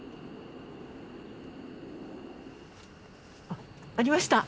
あありました！